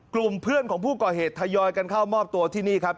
กลุ่มเพื่อนของผู้ก่อเหตุทยอยกันเข้ามอบตัวที่นี่ครับ